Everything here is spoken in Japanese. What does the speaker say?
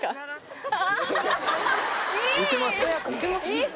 いい